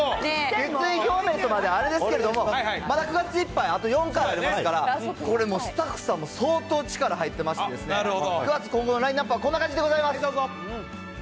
決意表明ってまだあれですけども、また９月いっぱい、あと４回ありますから、これもうスタッフさんも力入ってまして、９月、今後のラインナップはこんな感じでございます。